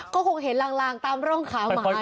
ก็คงเห็นล่างตามร่องขาวหมาเนี่ย